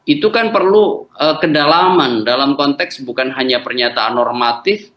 itu kan perlu kedalaman dalam konteks bukan hanya pernyataan normatif